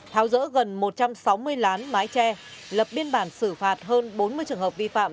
tháo rỡ gần một trăm sáu mươi lán mái tre lập biên bản xử phạt hơn bốn mươi trường hợp vi phạm